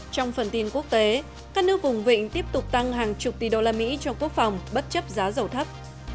trong phần tin quốc tế các nước vùng vịnh tiếp tục tăng hàng chục tỷ đô la mỹ cho quốc phòng bất chấp giá dầu thấp